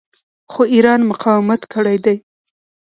خو ایران مقاومت کړی دی.